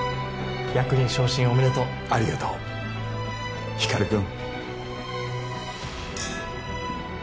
役員昇進おめでとうありがとう輝君